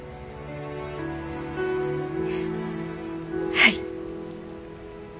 はい。